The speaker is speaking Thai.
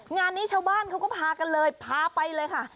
งานนี้ชาวบ้านเขาก็พากันเลยพาไปเลยค่ะ